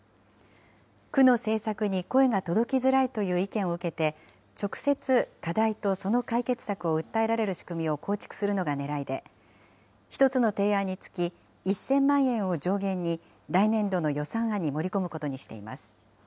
区の政策に声が届きづらいという意見を受けて、直接、課題とその解決策を訴えられる仕組みを構築するのがねらいで、１つの提案につき１０００万円を上限に来年度の予算案に盛り込むことにしています。